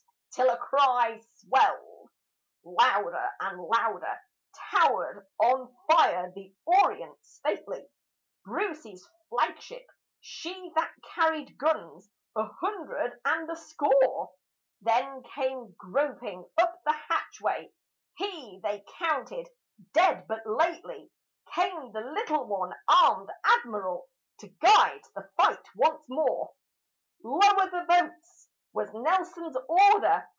Till a cry swelled loud and louder, towered on fire the Orient stately, Brucys' flag ship, she that carried guns a hundred and a score; Then came groping up the hatchway he they counted dead but lately, Came the little one armed Admiral to guide the fight once more. "'Lower the boats!' was Nelson's order."